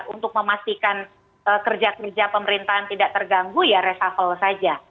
untuk memastikan kerja kerja pemerintahan tidak terganggu ya rest of all saja